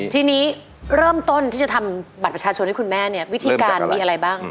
ทีนี้เริ่มต้นที่จะทำบัตรประชาชนให้คุณแม่เนี่ยวิธีการมีอะไรบ้าง